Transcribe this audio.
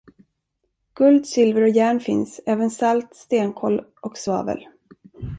Guld, silver och järn finns, även salt, stenkol och svavel.